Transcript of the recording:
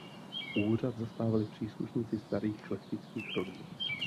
Úřad zastávali příslušníci starých šlechtických rodů.